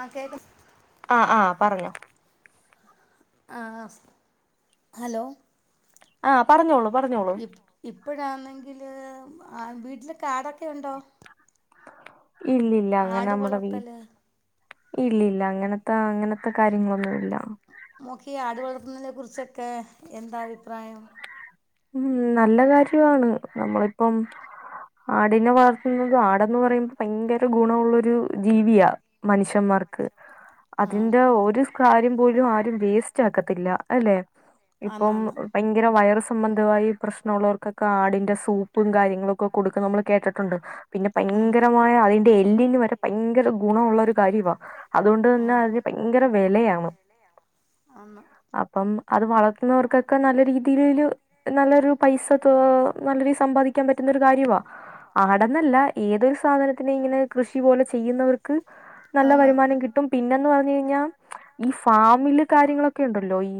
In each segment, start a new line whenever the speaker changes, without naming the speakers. ആഹാ കേൾക്ക.
ആഹാ ആഹാ പറഞ്ഞോ?
ആഹാ ഹലോ..
ആഹ് പറഞ്ഞോളൂ പറഞ്ഞോളൂ !
ഇപ്പോഴാണെങ്കിൽ വീട്ടില് കാടൊക്കെ ഉണ്ടോ?
ഇല്ല.. ഇല്ല അങ്ങനെ
ആട്
നമ്മടെ വീട്
വളർത്തല്
- ഇല്ല ഇല്ല അങ്ങനത്തെ അങ്ങനത്തെ കാര്യങ്ങളൊന്നു ഇല്ല.
മൊക്കെ ആടു വളർത്തുന്നതിനെ- കുറിച്ചൊക്കെ എന്താ അഭിപ്രായം?
ഉം നല്ല കാര്യയാണ് നമ്മളിപ്പം, ആടിനെ വളർത്തുന്നത്, ആടെന്ന് പറയുമ്പോ ഭയങ്കര ഗുണള്ളൊരു ജീവിയാ. മനുഷ്യന്മാർക്ക്
ആഹ്
അതിന്റെ ഒരു- ഒരു കാര്യംപോലും ആരും വേസ്റ്റ് ആക്കത്തില്ല അല്ലേ, ഇപ്പോ
ആന്ന് ആന്ന്
ഭയകര വയറസ്- സംബന്ധമായി പ്രശ്നമുള്ളവർക്കൊക്കെ ആടിന്റെ സൂപ്പും, കാര്യങ്ങളോക്കെ കൊടുക്ക നമ്മൾ കേട്ടിട്ടുണ്ട്. പിന്നെ
ഉം
ഭയങ്കരമായ അതിന്റെ- എല്ലിന് വരെ ഭയങ്കര ഗുണഉള്ള ഒരു കാര്യവാ. അതുകൊണ്ട് തന്നെ
ആഹ്
അതിന് ഭയങ്കര വിലയാണ്.
ആന്ന്.. !
അപ്പം അത് വളർത്തുന്നവർക്കൊക്കെ നല്ല രീതിയില്- നല്ലൊരു പൈസ, നല്ല രീതി സമ്പാദിക്കാൻ പറ്റുന്ന ഒരു കാര്യമാണ് ആടെന്നല്ല, ഏതൊരു സാധനത്തിനെ ഇങ്ങനെ കൃഷി പോലെ ചെയ്യുന്നവർക്ക്- നല്ല
ആന്ന്
വരുമാനം കിട്ടും, പിന്നെന്ന് പറഞ്ഞു കഴിഞ്ഞാൽ ഈ ഫാമില്- കാര്യങ്ങളൊക്കെ ഉണ്ടല്ലോ, ഈ...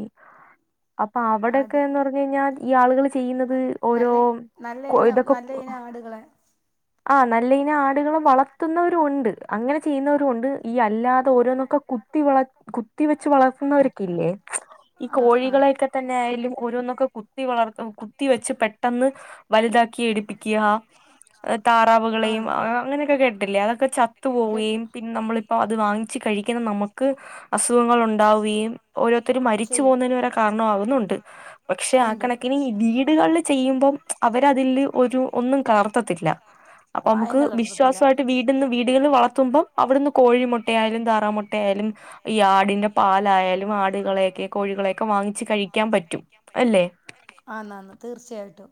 അപ്പോ
ആട്
അവിടെക്കെന്ന് പറഞ്ഞ- കഴിഞ്ഞാൽ, ഈ ആളുകൾ ചെയ്യുന്നത് ഓരോ
നല്ല നല്ല ഓരോ
കൊ
ഇനം
ഇതൊക്കെ,
നല്ല ഇനം ആടുകളെ
ആഹാ നല്ല ഇനം ആടുകൾ വളർത്തുന്നവരും ഉണ്ട്, അങ്ങനെ ചെയ്യുന്നവരും ഉണ്ട് ഈ അല്ലാതെ ഓരോന്നൊക്കെ, കുത്തി വള കുത്തി വെച്ച് വളർത്തുന്നവരൊക്കെ ഇല്ലേ? ഈ
ഇല്ലേ
കോഴികളെയൊക്കെ തന്നെ- ആയാലും ഓരോന്നൊക്കെ, കുത്തി വളർത്ത, കുത്തി വെച്ച് പെട്ടെന്ന് വലുതാക്കി എടിപ്പിക്കുക, താറാവുകളെയും, അങ്ങനെയൊക്കെ കേട്ടില്ലേ. അതൊക്കെ ചത്തു പോവുകയും പിന്നെ നമ്മളിപ്പോ അത് വാങ്ങി- ച്ചി കഴിക്കുന്ന നമക്ക് അസുഖങ്ങളും ഉണ്ടാവും. ഉണ്ടാവുകയും, ഓരോരുത്തരും മരിച്ചു പോകുന്നതിന് വരെ കാരണവുന്നുണ്ട്, പക്ഷെ-
ഉണ്ട്
കണക്കിന് ഈ വീടുകളില് ചെയ്യുമ്പം അവരതില് ഒരു ഒന്നും കലർത്തത്തില്ല. അപ്പോ
മായം
നമക്ക്
കലർത്തത്തില്ല
വിശ്വാസയിട്ട് വീട്ന്ന്, വീടുകൾ വളർത്തുമ്പം അവിടുന്ന് കോഴി മുട്ട ആയാലും താറാ മുട്ട. ട്ടയാലും ഈ ആടിന്റെ- പാലായാലും ആടുകളെയൊക്കെ, കോഴികളെയൊക്കെ വാങ്ങിച്ച് കഴിക്കാൻ പറ്റും അല്ലേ?
ആന്ന് ആന്ന് തീർച്ചയായിട്ടും!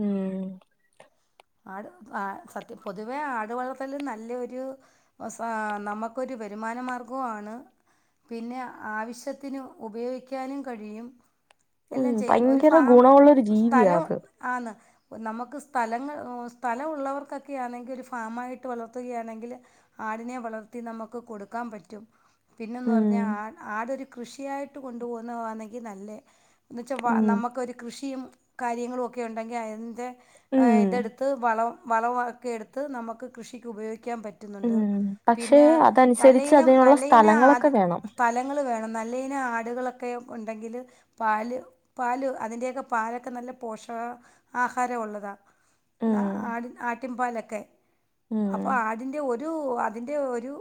ഉം.. !
ആട് സത്യം പൊതുവേ ആടു വളർത്തല് നല്ലെയൊരു, [unintelligible] നമുക്കൊരു വരുമാനമാർഗോ ആണ്. പിന്നെ ആവശ്യത്തിന് ഉപയോഗിക്കാനും കഴിയും.
ഉം
എല്ലാം ചെയ്യുന്നു ഒരു
ഭയങ്കര
ഫാം
ഗുണമുള്ളൊരു ജീവിയാ
സ്ഥലം
അത്
ആന്ന് നമുക്ക് സ്ഥലങ്ങൾ- സ്ഥലമുള്ളവർകൊക്കെ ആണേ- ങ്കിൽ ഒരു ഫാമായിട്ട് വളർത്തുകയാണെങ്കിൽ, ആടിനെ വളർത്തി നമുക്ക് കൊടുക്കാൻ പറ്റും. പിന്നന്ന്
ഉം
പറഞ്ഞാൽ ആടൊരു- കൃഷിയായിട്ട് കൊണ്ടു പോകുന്ന ആണെങ്കിൽ നല്ല, എന്ന് വെച്ചാൽ
ഉം
നമുക്കൊരു കൃഷിയും, കാര്യങ്ങളുക്കെ ഉണ്ടെങ്കിൽ അതിൻ്റെ
ഉം
ഇത് അടുത്ത്, വളം വളമൊക്കെ എടുത്ത് നമുക്ക് കൃഷിക്ക് ഉപയോഗിക്കാൻ പറ്റും.
ഉം
[unintelligible]
പക്ഷെ
പിന്നെ നല്ല
അതനുസരിച്ച്
ഇനം
അതിനുള്ള
നല്ല ഇനം ആട്,
സ്ഥലങ്ങളൊക്കെ വേണം
ഫലങ്ങൾ വേണം, നല്ലഇനം ആടുകളൊക്കെ ഉണ്ടെങ്കില് - പാല് പാല് അതിന്റെയെക്കെ പാലൊക്കെ നല്ല പോഷക ആഹാരം ഉള്ളതാ
ഉം
ആടിൻ ആട്ടിൻപാലൊക്കെ
ഉം
അപ്പൊ ആടിന്റെ ഒരു അതിന്റെ ഒരു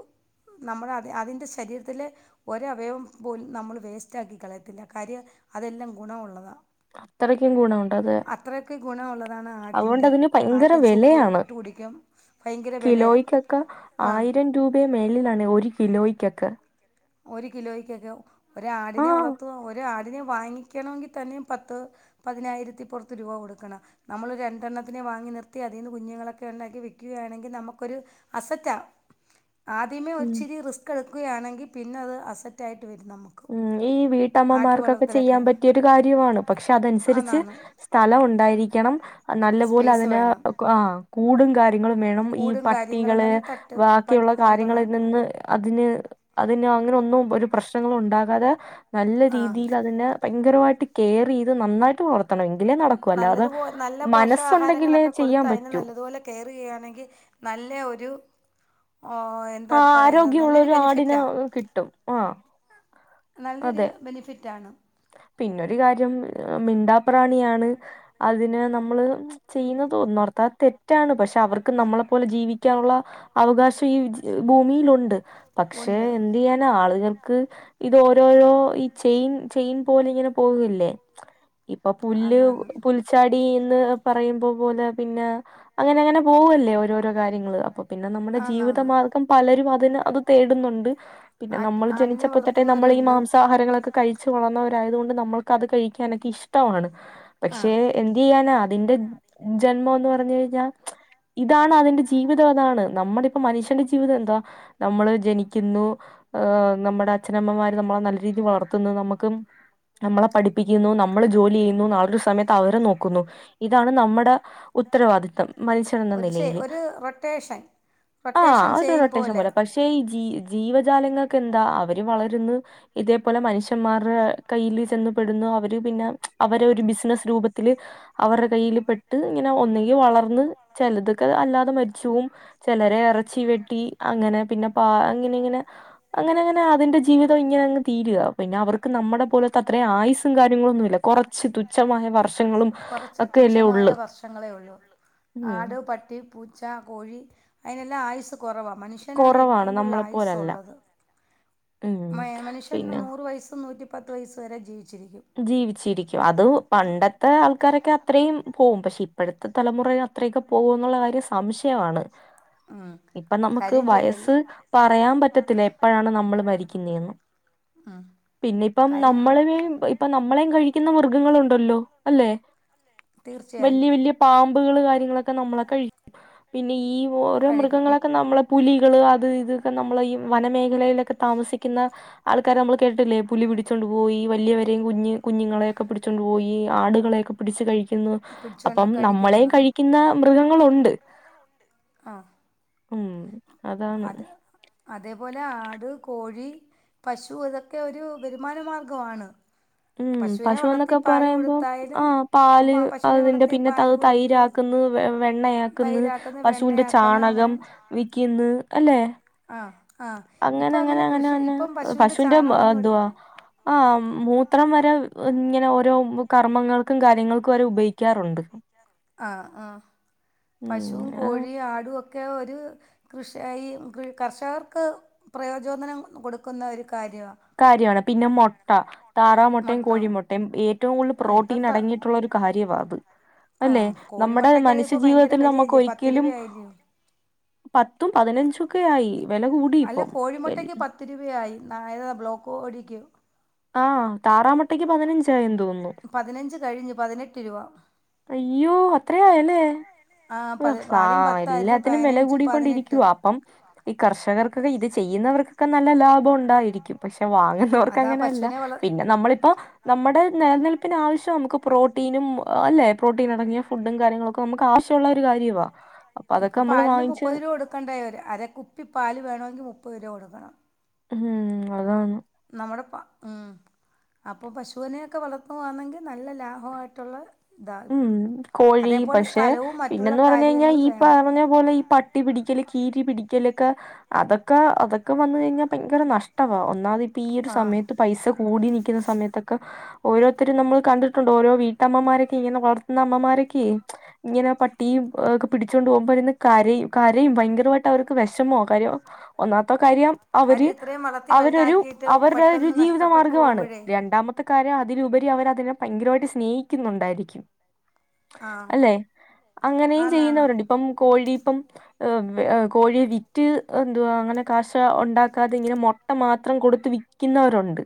നമ്മള് അത് അതിന്റെ ശരീരത്ത്ല് ഒര അവയവം പോലും നമ്മൾ വേസ്റ്റാക്കി കളയത്തില്ല കാര്യം അതെല്ലാം ഗുണം വുള്ളതാ
അത്രക്കും ഗുണമുണ്ടത്
ഗുണമുള്ളതാണ് ആട്ടിൻ്റെ
അത്കൊണ്ടതിന് ഭയങ്കര
ആട്ടിൻ സൂപ്പ്
വെലെയാണ്
ഇട്ട് കുടിക്കും ഭയങ്കര വിലയാണ്
കിലോയ്ക്കൊക്കെ
ആ
ആയിരം രൂ മേളിലാണെ ഒര് കിലോയ്ക്കാെകെ
ഒര് കിലോയ്ക്കെക്കെ ഒരാടിനെ
ആഹ്
വളർത്തുക ഒരാടിനെ വാങ്ങിക്കണമെങ്കി തന്നെ പത്ത് പതിനായിരത്തിപ്പാെറത്ത് രൂപ കൊട്ക്കണ നമ്മള് രണ്ടെണ്ണത്തിനെ വാങ്ങി നിർത്തി അതീന്ന് കുഞ്ഞ്ങ്ങളൊക്കെ ഒണ്ടാക്കി വിക്ക്കയാണെങ്കി നമക്കൊര് അസറ്റാവും ആദ്യമേ
ഉം
ഒര്ച്ചിരി റിസ്ക്കെടുക്കുകയാണെങ്കി പിന്നെ അത് അസറ്റായിട്ട് വെരും നമ്മ
ഉം ഈ വീട്ടമ്മമാർക്കൊക്കെ ചെയ്യാൻ പറ്റിയൊരു കാര്യവാണ് പക്ഷെ അതൻസര്ച്ച്
ആന്നാന്ന്
സ്ഥല ഒണ്ടായിരിക്കണം നല്ല പോലെ
സ്പേസ്
അതിന്
വേണം
ആഹ് കൂടും കാര്യങ്ങളും വേണം ഈ
കൂടും കാര്യങ്ങളും
പട്ടികള്
തന്നെ തട്ട് പട്ട്
ബാക്കിയുള്ള
അങ്ങനത്തുള്ള
കാര്യങ്ങളിൽ നിന്ന് അതിന് അതിന് അങ്ങനെ ഒന്നും ഒരു പ്രശ്നങ്ങളും ഉണ്ടാകാതെ നല്ല
ആ
രീതിയിലതിനെ ഭയങ്കരമായ്ട്ട് കേറെയ്ത് നന്നായിട്ട് വള ർത്തണം എങ്കിലേ നടക്കു അല്ലാതെ
നല്ലതുപോ നല്ല
മനസ്സുണ്ടെങ്കിലേ ചെയ്യാൻ പറ്റൂ
കെയറെയ്യാണങ്കി നല്ലെ ഒരു ഓഹ് എ
ആഹ് ആരോഗ്യമുള്ളൊരു ആട്നാ കിട്ടും ആഹ്
നല്ലെര് ബെനിഫിറ്റാണ്
പിന്നൊരു കാര്യം മിണ്ടാപ്രാണിയാണ് അതിന് നമ്മള് ചെയ്യുന്നതൊ നർ ത്താ തെറ്റാണ് പക്ഷെ അവർക്ക് നമ്മളെ പോലെ ജീവിക്കാനുള്ള അവകാശം ഈ ജ് ഭൂമിയിലുണ്ട് പക്ഷെ
ഉണ്ട് പക്ഷെ
എന്തെയ്യാനാ ആള്കൾക്ക് ഇതാെരോരോ ഈ ചെയിൻ ചെയിൻ പോലിങ്ങനെ പോകല്ലേ ഇപ്പൊ പുല്ല്
ആന്നാന്ന്
പുൽ ച്ചാടി എന്ന് പറയുമ്പോ പോലെ പിന്നെ അങ്ങനെ അങ്ങനെ പോവല്ലേ ഓരോരോ കാര്യങ്ങള് അപ്പൊ പിന്നെ നമ്മടെ
ആന്നാന്ന്
ജീവിതമാർഗം പലരും അതിന് അത് തേട്ന്നുണ്ട് പിന്നെ
ആട്ട്
നമ്മൾ
ആടിനെ
ജനിച്ചപ്പാെത്താെട്ടേ നമ്മളീ
വളർത്തുന്നവരുണ്ട്
മാംസാഹാരങ്ങളെക്കെ ച്ച് വളർന്നവരായതു കൊണ്ട് നമ്മൾക്കത് കഴിക്കാനൊക്കെ ഇഷ്ടവാണ് പക്ഷെ
ആഹ്
എന്ത്യ്യാനാ അതിന്റെ ജന്മാെന്ന് പറഞ്ഞ് കഴ്ഞ്ഞാ ഇതാണ് അതിന്റെ ജീവിതം അതാണ് നമ്മളിപ്പാെ മനുഷ്യന്റെ ജീവിതം എന്താ നമ്മള് ജനിക്ക്ന്നൂ ആഹ് നമ്മടെ അച്ഛനമ്മമാര് നമ്മളെ നല്ല രീതി വളർത്ത്ന്ന് നമ്മ ക്കും നമ്മളെ പഠിപ്പിക്ക്ന്നു നമ്മള് ജോലിയെ യ്യുന്നു നാളൊരു സമയത്ത് അവരെ നോക്കുന്നു ഇതാണ് നമ്മടെ ഉത്തരവാദിത്തം മനുഷ്യൻ എന്ന നിലയില്
ട്ടേഷൻ
ആഹ്
റൊട്ടേഷൻ
ഒരു
ചെയിൻ
റൊട്ടേഷൻ
പോലെ
പക്ഷേ ഈ ജീ ജീവജാലങ്ങൾക്കെന്താ അവര് വളര്ന്ന് ഇതേപോലെ മനുഷ്യന്മാർ ര് കയ്യ്ല് ചെന്ന് പെട്ന്നു അവര് പിന്നെ അവരൊര് ബിസ്നസ് രൂപത്തില് അവരെ കയ്യ്ല് പെട്ട് ഇങ്ങനെ ഒന്നെങ്കി വളർന്ന് ചെലതൊക്കെ അല്ലാതെ മര്ച്ചാേവും ചെലരെ എറച്ചി വെട്ടി അങ്ങനെ പിന്നെ പാ അങ്ങനെ ഇങ്ങനെ അങ്ങനെ അങ്ങനെ അതിന്റെ ജീവിതം ഇങ്ങനെ അങ്ങ് തീര്കാ പിന്നെ അവർ ക്ക് നമ്മടെ പോലത്തെ അത്രേം ആയുസും കാര്യങ്ങളൊന്നും ഇല്ലാ
കൊറച്ച്
ഒക്കെയല്ലേ
തുച്ഛമായ
ഉള്ളു
വർഷങ്ങളേ ഒള്ളൂ
ഉം
ആട് പട്ടി പൂച്ച കോഴി അയ്നെല്ലാം ആയ്സ് കൊറവാ മന്ഷ്യനാണ്
കുറവാണ്
ഏറ്റവും കൂടുതൽ
നമ്മളെ പോലല്ല
ആയുസ്സാെള്ളത്
ഉം
മ മനുഷ്യന്ന്
പിന്നെ
നൂറ് വയസ്സും നൂറ്റിപ്പത്ത് വയസ്സ് വരെ ജീവിച്ചിരിക്കും
ജീവിച്ചിരിക്കും അത് പണ്ടത്തെ ആൾക്കാരൊക്കെ അത്രേയും പോവും പക്ഷെ ഇപ്പഴ ത്തെ തലമുറയും അത്രെയൊക്കെ പോവോന്ന്ള്ള കാര്യം സംശയവാണ്
ആണ്
ഇപ്പം നമ്ക്ക് വയസ്സ് പറയാൻ പറ്റത്തില്ല എപ്പഴാണ് നമ്മള് മരിക്ക്ന്നേന്ന്
ഉം
പിന്നിപ്പം
കാര്യം
നമ്മള് വേംപൊയ് പ്പം നമ്മലേം കഴിക്കുന്ന മൃഗങ്ങളുണ്ടല്ലോ അല്ലെ,
തീർച്ചയായും
വല്യ വല്യ പാമ്പുകള് കാര്യങ്ങളൊക്കെ നമ്മളെ കഴിക്കും. പിന്നെ ഈ ഓരോ
കഴിക്കും
മൃഗങ്ങളൊക്കെ നമ്മളെ, പുലികള് അത് ഇത് ക്കെ നമ്മളെ ഈ വനമേഖലയിലൊക്കെ താമസിക്കുന്ന ആൾക്കാരെ നമ്മള് കേട്ട്ട്ടില്ലേ പുലി പിടിച്ചൊണ്ട് പോയി, വല്യ വ കുഞ്ഞ് കുഞ്ഞുങ്ങളെയൊക്കെ പിടിച്ചൊണ്ട് പോയി. ആടുകളെയൊക്കെ പിട്ച്ച് കഴിക്കുന്നു.
പിടിച്ചോണ്ട്
അപ്പം നമ്മളേം
കഴിക്കുന്നെന്ന്
കഴി ക്കുന്ന മൃഗങ്ങളുണ്ട്
ആ
ഉം അതാണ്
അത് അതേപോലെ ആട്, കോഴി, പശു, ഇതൊക്കെ ഒരു വരുമാനമാർഗ്ഗവാണ്
ഉം പശു എന്നൊക്കെ പറയുമ്പോ. ആ
കൊടുത്തായാലും
പാല്,
പ- പശുവിനെ
അതിന്റെ
വളർത്തി
പിന്നെ ത്ത
പാൽ കൊടുത്ത്
ത്തൈരാ ക്ക്ന്ന്. വെണ്ണയാക്ക്ന്ന്.
തൈരാക്കുന്ന
പശൂന്റെ
വെണ്ണയാക്കുന്ന
ചാണകം
അങ്ങനെ
വിക്ക്ന്ന്. അല്ലെ
ആ ആഹ്
അങ്ങനെ അങ്ങനെ അങ്ങനെ വന്ന പശുവിന്റെ മ്
ചാണകമൊന്നും
എന്തുവാ
എടുക്കും
ആ മൂത്രം വരെ, ഇങ്ങനെ ഓരോ കർമ്മങ്ങൾ
[inaudible] ആ ആ
ഉം
പശുവും
അത്
കോഴി ഴി ആടുഒക്കെ ഒരു കൃഷ് എ ഈ കൃ കർഷകർക്ക് പ്രയചോദനം കൊടുക്കുന്ന ഒരു കാര്യവാ
കാര്യവാണ്. പിന്നെ മുട്ട താറാ മുട്ടയും
മൊട്ട
കോഴിമുട്ട യും. ഏറ്റവും കൂടുതൽ
ഇപ്പം
പ്രോട്ടീൻ
ത
അടങ്ങിയിട്ടുള്ള ഒരു കാര്യവാത് അല്ലെ,
ആഹ്
നമ്മുടെ
കോഴിമുട്ടക്കൊക്കെ
മനുഷ്യ
ഇപ്പം ഭയങ്കര
ജീവിതത്തിൽ നമുക്ക്
വിലയല്ലേ പത്ത്
ഒരിക്കലും
രൂപയായില്ലയോ
പത്തും പതിനഞ്ചൊക്കെ ആയി. വെല കൂടി
അല്ല
ഇപ്പം എ
കോഴിമുട്ടയ്ക്ക് പത്ത് രൂപയായി നായത ബ്ലോക്ക് ഓഴിക്കൂ
ആ.. താറാമുട്ടയ്ക്ക് പതിനഞ്ചായെന്ന് തോന്നുന്നു
പതിനഞ്ച് കഴിഞ്ഞ് പതിനെട്ട് രുപ
അയ്യോ അത്രേ ആയല്ലേ
ആഹ് പതി
[inaudible] സാ
ആദ്യം പത്തായിരുന്നു
എല്ലാത്തിനും വെല
പതിനഞ്ച് പതിനെട്ട്
കൂടിക്കൊണ്ടിരിക്കവാ അപ്പം ഈ കർഷകർക്കൊക്കെ ഇത് ചെയ്യുന്നവർക്കൊക്കെ നല്ല ലാഭവുണ്ടായിരിക്കും പക്ഷെ
അതാ
വാങ്ങുന്നവർക്കങ്ങനെയല്ല.
പശുവിനെ വളർ
പിന്നെ നമ്മളിപ്പോ നമ്മുടെ നിലനിൽപ്പിനാവശ്യം നമ്മക്ക് പ്രോട്ടീനും ആഹ് അല്ലെ? പ്രോട്ടീൻ അടങ്ങിയ ഫുഡും കാര്യങ്ങളൊക്കെ നമുക്ക് ആവശ്യമുള്ള ഒരു കാര്യവാ അപ്പൊ അതൊക്കെ
ഇപ്പൊ
നമ്മള്
പാലിന്
വാങ്ങിച്ച്
മുപ്പത് രൂപ കൊടുക്കണ്ടേ അര കുപ്പി പാലിന് വേണമെങ്കിൽ മുപ്പത് രൂപ കൊടുക്കണം.
ഉം അതാണ്
നമ്മുടെ പ ഉം അപ്പോൾ പശുവിനെയൊക്കെ വളർത്തുവാണെങ്കിൽ നല്ല ലാഭവായിട്ടുള്ള
ഉം കോഴി പക്ഷെ
സ്ഥലവും മറ്റുള്ള
പിന്നന്ന് പറഞ്ഞ കഴിഞ്ഞാൽ
കാര്യങ്ങൾ
ഈ
വേണം
പറഞ്ഞ ഇതുപോലെ ഈ പട്ടി പിടിക്കല് കീരി പിടിക്കലൊക്കെ അതൊക്കെ അതൊക്കെ വന്ന് കഴിഞ്ഞാൽ ഭയങ്കര നഷ്ടമാണ് ഒന്നാമത് ഇപ്പൊ ഈ ഒരു
ആ
സമയത്ത് പൈസ കൂടി നിൽക്കുന്ന സമയത്തൊക്കെ ഓരോത്തരും നമ്മൾ കണ്ടിട്ടുണ്ട് ഓരോ വീട്ടമ്മമാരെെ ഇങ്ങനെ വളർത്തുന്ന അമ്മമാരൊക്കെ ഇങ്ങനെ പട്ടിയും ഒക്കെ പിടിച്ചുകൊണ്ട് പോകുമ്പോൾ ഇരുന്ന് കരയും കരയും ഭയങ്കരമായിട്ട് അവർക്ക് വിഷമോ കാര്യോ ഒന്നാത്ത കാര്യം അവര്
കാര്യം ഇത്രയും വളർത്തി
അവരൊരു
വലുതാക്കിയിട്ട്
അവര്ടെ ഒരു
പെട്ടെന്ന്
ജീവിത
നഷ്ടപ്പെട്ടു
മാർഗ്ഗമാണ്
പോകുമ്പോഴേ
രണ്ടാമത്തെ കാര്യം അതിലുപരി അവർ അതിനെ ഭയങ്കരമായിട്ട് സ്നേഹിക്കുന്നുണ്ടായിരിക്കും.
ആ
അല്ലെ അങ്ങനെയും
ആന്നാന്ന്
ചെയ്യുന്നവരുണ്ട് ഇപ്പം കോഴിപ്പം [unintelligible] കോഴിയെ വിറ്റ് എന്തുവാ അങ്ങനെ കാശ ഉണ്ടാക്കാതെ ഇങ്ങനെ മൊ [unintelligible] [unintelligible] മാത്രം കൊടുത്ത് വിക്കുന്നവരുണ്ട്.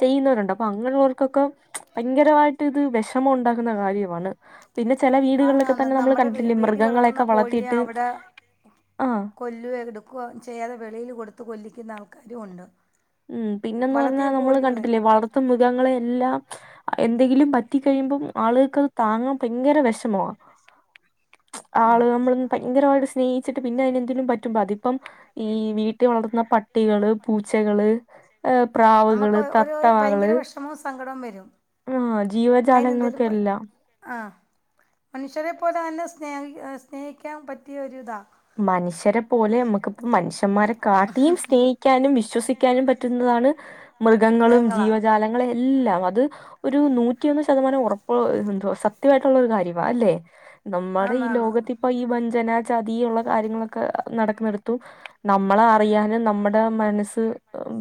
ചെയ്യുന്നവരുണ്ട് അപ്പൊ, അങ്ങനെയുള്ളവർക്കൊക്ക ഭയങ്കരമായിട്ട് ഇത് വിഷമം ഉണ്ടാ നടക്കുന്ന കാര്യമാണ്. പിന്നെ ചില വീടുകളിലൊക്കെ
ആന്നാന്ന്
തന്നെ നമ്മൾ
നമ്മുടെ വീ
കണ്ടിട്ടില്ലേ
വീട്ടിൽ വളർത്തുന്ന
മൃഗങ്ങളെക്കെ
കോഴിയെ
വളർത്തിയിട്ട് ആഹ്
കൊല്ല എടുക്കുക ചെയ്യാതെ വെളിയിൽ കൊടുത്ത് കൊല്ലിക്കുന്ന ആൾക്കാരും ഉണ്ട്
ഉം പിന്നെന്ന്
വളർത്തിയ
പറഞ്ഞാൽ നമ്മള്
കോഴികളെ
കണ്ടിട്ടില്ലേ വളർത്ത മൃഗങ്ങളെ എല്ലാം മ്മ്ച് എന്തെങ്കിലും പറ്റി കഴിയുമ്പം ആളുകൾക്കത് താങ്ങാൻ ഭയങ്കര വിഷമവാ.
[unintelligible]
മ്മ്ച്
ആ
ആള് നമ്മൾ ഭയങ്കരമായിട്ട് സ്നേഹിച്ചിട്ട് പിന്നെ അതിനെന്തേലും പറ്റുമ്പോ അതിപ്പം ഈ വീട്ടിൽ വളർന്ന പ ട്ടികൾ പൂച്ചകൾ അ പ്രാ
നമ്മക്ക് ഒരു ഭയങ്കര വിഷമവും സങ്കടവും വരും
ആഹ്
അയ്നെന്തേലും പ
ജീവജാലങ്ങൾക്കെല്ലാം
ആ മനുഷ്യരെ പോലെ തന്നെ സ്നേഹി സ്നേഹിക്കാൻ പറ്റിയ ഒര്താ
മനുഷ്യരെ പോലെ നമ്മുക്കിപ്പം മനുഷ്യന്മാരെ കാട്ടിയും സ്നേഹിക്കാനും വിശ്വസിക്കാനും പറ്റുന്നതാണ് മൃഗങ്ങളും
മൃഗങ്ങളാ
ജീവജാലങ്ങളും എല്ലാം അത് ഒരു നൂ നൂറ്റി ഒന്ന് ശതമാനം ഉറപ്പ് എന്ത് സത്യമായിട്ടുള്ള ഒരു കാര്യമാ അല്ലെ നമ്മടെ
ആന്ന്
ഈ
ആന്ന്
ലോകത്തി പ്പ ഈ വഞ്ചന ചതി ഉള്ള കാര്യങ്ങളൊക്കെ നടക്കുന്നിടത്തു നമ്മളെ വയ്യാതെ നമ്മടെ മനസ്സ്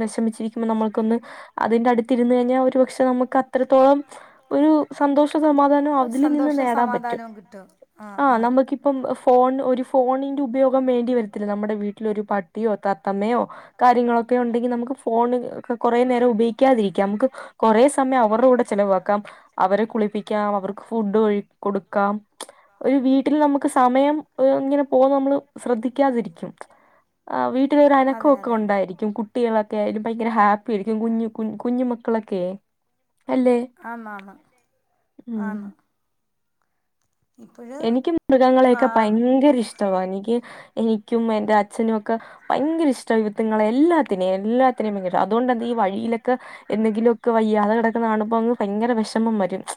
വിഷമിച്ചിരിക്കുമ്പോ നമ്മൾക്കൊന്ന് അതിന്റെ അടി തിരുന്ന് കഴിഞ്ഞാൽ ഒരുപക്ഷെ നമുക്ക് അത്രത്തോളം ഒരു സന്തോഷ സമാധാനം അതില് നിന്ന് നേടാൻ പറ്റും.
ട്ടോ ആഹ് ആഹ്
പ്പം ഫോൺ ഒരു ഫോണിന്റെ ഉപയോഗം വേണ്ടി വരത്തില്ല നമ്മടെ വീട്ടിലൊരു പട്ടിയോ ത ത്തമയോ കാര്യങ്ങളോക്കെ ഉണ്ടെങ്കിൽ നമുക്ക് ഫോൺ കുറേ നേരം ഉപയോഗിക്കാതിരിക്കാം നമുക്ക് കൊറേ സമയം അവരുടെ കൂടെ ചെലവാക്കാം അവരെ കുളിപ്പിക്കാം അവർക്ക് ഫുഡ് കഴി കൊടുക്കാം മ്ച് ഒരു വീട്ടിൽ നമ്മക്ക് സമയം ഒ ഇങ്ങനെ പ്പൊ നമ്മള് ശ്രദ്ധിക്കാതിരിക്കും ആ
അതെ
വീട്ടിലൊരക്കൊക്കെ
അതെ
ഉണ്ടായി ആയിരിക്കും കുട്ടികളൊക്കെ ഭയങ്കര ഹാപ്പി ആയിരിക്കും കുഞ്ഞു കുഞ്ഞു മക്കളൊക്കെ അല്ലേ..
ആന്നാന്ന്
ഉം
ആന്ന് ഇപ്പഴ്
എനിക്കും
എനിക്ക്
മൃഗങ്ങളെയൊക്കെ
ഈ
പയങ്കര ഇഷ്ടവാ. എനിക്ക് എനിക്കും എന്റെ അച്ഛനും ഒക്ക ഭയങ്കര ഇഷ്ട ഇവ്ത്ത്ങ്ങളെ എല്ലാ പിന്നെ എല്ലാ അത്രയും ഭയങ്കര അതുകൊണ്ട്ന്ത ഈ വഴിയിലൊക്കെ എന്തെങ്കിലൊക്കെ വയ്യാത കിടക്കുന്ന കാണ്മ്മ്പങ് ഭയങ്കര വിഷമം വരും മ്ച്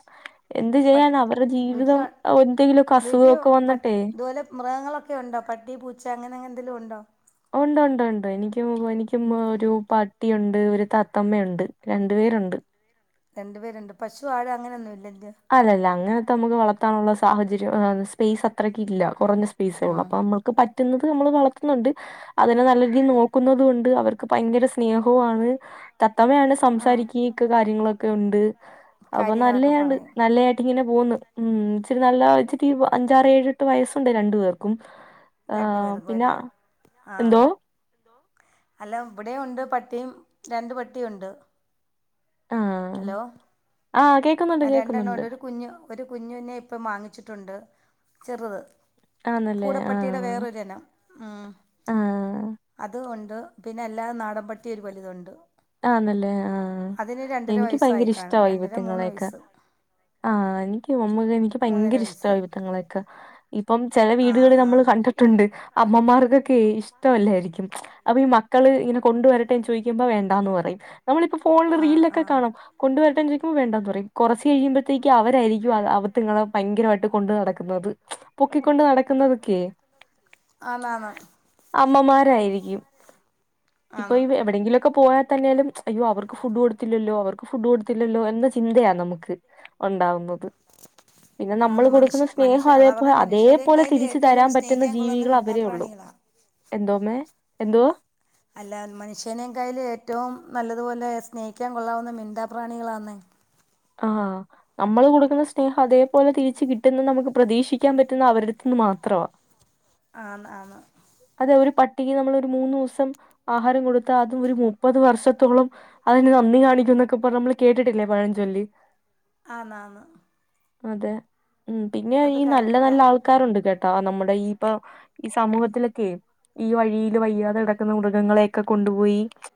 എന്ത്
പട്
ചെയ്യാനാ അവരെ ജീവിതം
വീട്ടില്
അവ എന്തെങ്കിലുമമൊക്കെ
വീട്ടിൽ പട്ടി ഇതുപോലെ മൃഗങ്ങളൊക്കെ ഉണ്ടോ പട്ടി പൂച്ച അങ്ങനെങ്ങെ എന്തെങ്കിലും ഉണ്ടോ?
ഉണ്ട് ഉണ്ട് ഉണ്ട് എനിക്കും എനിക്കും ഒരു പട്ടിയുണ്ട് ഒരു തത്തമ്മയുണ്ട് രണ്ടു പേരുണ്ട്
രണ്ടു പേരുണ്ട്. പശു ആട് അങ്ങനെയൊന്നും ഇല്ലല്ലോ?
അല്ലല്ല അങ്ങനത്തെമുക്ക് വളത്താനുള്ള സാഹചര്യം സ്പേസ് അത്രക്കില്ല. കുറഞ്ഞ സ്പേസേ ഉള്ളൂ. അപ്പൊ
ഇഷ്ടമുള്ള
അമ്മ ക്ക്പറ്റുന്നത് നമ്മൾ വളത്തുന്നുണ്ട്. അതിനെ നല്ല രീതിയിൽ നോക്കുന ന്നത് കൊണ്ട്, അവർക്ക് പയങ്കര സ് നേഹുആണ്. തത്തമയാണ്
നമ്മളിങ്ങനെ
സംസാരിക്കുകയും ക്കെ കാര്യങ്ങളൊക്കെ ഉണ്ട്.
ക്കും
അപ്പൊ
കാര്യങ്ങളൊക്കെ പറയും
നല്ലയാണ്.
പറയും
നല്ലയായിട്ട് ഇങ്ങനെ പോകുന്നു. ഉം... ഇച്ചിരി നല്ലത വച്ചിട്ട് ഈ അഞ്ചാറ്ഏഴ്, ണ്ട് വയസ്സുണ്ട് രണ്ടു പേർക്കും. ഹ്
രണ്ടു പേർക്കും
പിന്നെ
അല്ലയോ ആഹ്
എന്തോ?
അല്ല ഇവിടെയും ഉണ്ട് പട്ടിയും രണ്ട് പട്ടി ഉണ്ട്. ഹലോ?
ആ.. കേക്
ആ രണ്ടെണ്ണം ഉണ്ട്. ഒരു കുഞ്ഞു ഒരു കുഞ്ഞുന്നെ ഇപ്പം മാങ്ങിച്ചിട്ടുണ്ട്. ചെറുത്.
ആന്നല്ലേ
പൂടപ്പട്ടിയുടെ
ആഹ്
വേറൊരെനം. ഉം..
ആഹ്
അത് ഉണ്ട്. പിന്നെ അല്ലാതെ നാടൻപട്ടി ഒരു വലുത് ഉണ്ട്.
ആന്ന്ല്ലേ ആഹ്, എനിക്ക്
വയസ്സായി
ഭയങ്കര
കാണും
ഇഷ്ടവാ
രണ്ടര മൂന്ന്
ഇവിറ്റങ്ങളെയൊക്കെ.
വയസ്സ്
ആഹ എനിക്ക് [unintelligible] എനിക്ക്
മൂന്നര
ഭയങ്കര
വയസ്സ്
ഇഷ്ടവാ ഇവിററിങ്ങളെയൊക്കെ. ഇപ്പം ചെല വീടുകൾ
ആഹ്
നമ്മൾ
ആഹ്
കണ്ടിട്ടുണ്ട്. അമ്മമാർക്കൊക്കെ ഇഷ്ടവല്ലായിരിക്കും. അഭി മ ക്കൾ ഇങ്ങന കൊണ്ടുവരട്ടേ ന്ന് ചോയ്ക്കുമ്പോ വേണ്ട എന്ന് പറയും. നമ്മളിപ്പോ ഫോണില്
ആഹ്
റീൽലൊക്കെ
ആഹ്
കാണും. കൊണ്ടുവരട്ടെന്ന് ചോദിക്ക പ്പൊ വേണ്ടാന്ന് പറയും. കുറച്ച് കഴിയുമ്പോത്തേക്കും അവരായിരിക്കും അവത്ത്ങ്ങള ഭയരമായിട്ട് കൊണ്ട് നടക്കുന്നത്. [unintelligible] പൊക്കിക്കൊണ്ട് നടക്കുന്നതൊക്കെയ്
ആന്നാന്ന്
അമ്മമാരായിരിക്കും. ഇപ്പൊ
ആന്ന്
എവിടെങ്കിലുമൊക്കെ പോയാ തന്നാലും അയ്യോ അവർക്ക് ഫുഡ് കൊടുത്തില്ലല്ലോ അവർക്ക് ഫുഡ് കൊടുത്തില്ലല്ലോ എന്ന ചിന്തയാ നമുക്ക് ഉണ്ടാവു ന്നത് പിന്നെ നമ്മൾ
ആന്ന് മനുഷ്യ
കൊടുക്കുന്ന സ്നേഹം
മനുഷ്യ അതാ
അതേപ
പറഞ്ഞെ
അതേപോലെ
മനുഷ്യരെക്കായിലും
തിരിച്ചു
ഏറ്റവും
തരാൻ
കൂടുതൽ
പറ്റുന്ന
സ്നേഹിക്കാൻ കൊള്ളുന്നത്
ജീവികൾ അവരെ ഉള്ളു.
മിണ്ടാപ്രാണികളാ
എന്തോമ്മേ എന്തോ?
അല്ല മനുഷ്യനേകായലും ഏറ്റവും നല്ലതുപോലെ സ്നേഹിക്കാൻ കൊള്ളാവുന്ന മിണ്ടാ പ്രാണികളാന്ന്
ആഹ് നമ്മള് കൊടുക്കുന്ന സ്നേഹം അതേപോലെ തിരിച്ച് കിട്ടുന്ന നമുക്ക് പ്രതീക്ഷിക്കാൻ പറ്റുന്ന അവരുടെടുത്ത്ന്ന് മാത്രവാ.
ആന്ന് ആന്ന്
അതെ ഒരു പട്ടിക്ക് നമ്മള് ഒരു മൂന്ന് ദിവസം ആഹാരം കൊടുത്താ അതും ഒരു മുപ്പത് വർഷത്തോളം അതിന്റെ നന്ദി കാണിക്കും എന്നൊക്കെ പറഞ്ഞ് നമ്മള് കേട്ടിട്ടില്ലേ പഴഞ്ചൊല്ല്
ആന്നാന്ന്
അതെ ഉം പിന്നെ ഈ
അത്
നല്ല നല്ല
കറക്റ്റാ
ആൾക്കാരുണ്ട് കേട്ടാ നമ്മുടെ ഈ പ്പൊ ഈ സമൂഹത്തിലൊക്കെ ഈ വഴിയില് വയ്യാതെ കിടക്കുന്ന മൃഗങ്ങളെയൊക്കെ കൊണ്ടുപോയി